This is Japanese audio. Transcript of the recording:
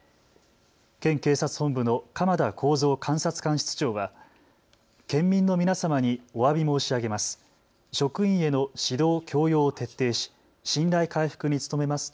県警察本部の鎌田耕造監察官室長は県民の皆様におわび申し上げます。